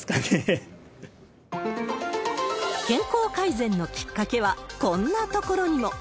健康改善のきっかけはこんな所にも。